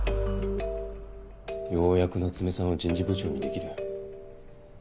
ようやく夏目さんを人事部長にできる。